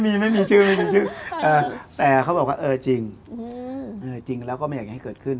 ไม่มีชื่อแต่เขาบอกว่าเออจริงจริงแล้วก็ไม่อยากให้เกิดขึ้น